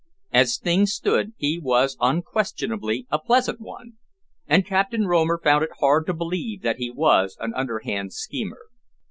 As things stood, he was unquestionably a pleasant one, and Captain Romer found it hard to believe that he was an underhand schemer.